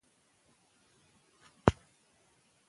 که موږ پوه شو، نو د خلکو سره درواغ نه کوو.